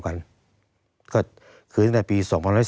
ตั้งแต่ปี๒๕๓๙๒๕๔๘